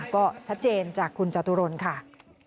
ก็ชัดเจนจากคุณจตุรนค่ะ